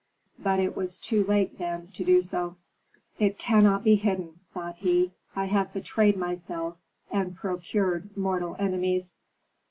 But it was too late then to do so. "It cannot be hidden," thought he. "I have betrayed myself and procured mortal enemies.